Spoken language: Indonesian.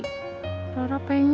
ke mata grandma